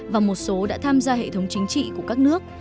và một số đã tham gia hệ thống chính trị của các nước